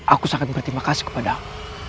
aku sangat berterima kasih kepada aku